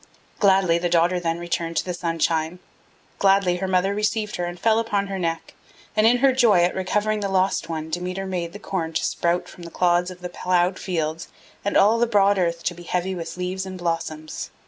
Gladly the daughter then returned to the sunshine, gladly her mother received her and fell upon her neck; and in her joy at recovering the lost one Demeter made the corn to sprout from the clods of the ploughed fields and all the broad earth to be heavy with leaves and blossoms.